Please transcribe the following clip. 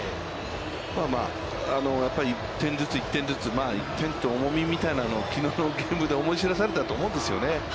まあまあ、やっぱり１点ずつ１点ずつ、１点の重みみたいなのをきのうのゲームで思い知らされたと思うんですよね。